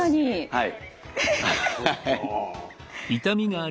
はい！